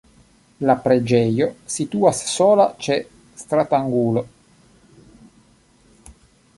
La preĝejo situas sola ĉe stratangulo.